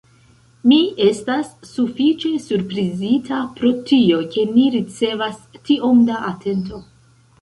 Mi estas sufiĉe surprizita pro tio, ke ni ricevas tiom da atento.